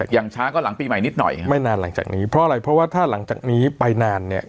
อย่างช้าก็หลังปีใหม่นิดหน่อยไม่นานหลังจากนี้เพราะอะไรเพราะว่าถ้าหลังจากนี้ไปนานเนี่ย